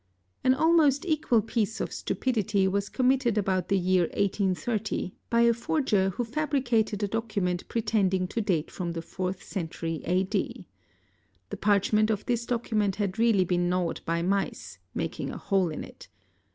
An almost equal piece of stupidity was committed about the year 1830 by a forger who fabricated a document pretending to date from the fourth century, A.D. The parchment of this document had really been gnawed by mice, making a hole in it.